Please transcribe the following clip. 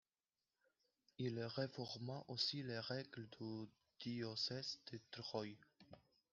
Il réforma aussi les règles du diocèse de Troyes.